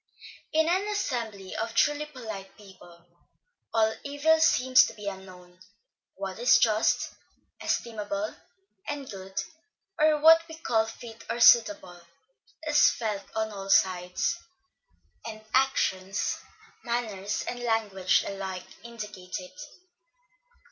In an assembly of truly polite people, all evil seems to be unknown; what is just, estimable, and good, or what we call fit or suitable, is felt on all sides; and actions, manners and language alike indicate it.